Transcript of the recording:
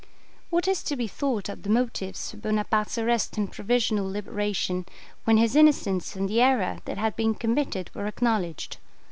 What is to be thought of the motives for Bonaparte's arrest and provisional liberation, when his innocence and the error that had been committed were acknowledged?